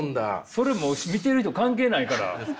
それもう見てる人関係ないから。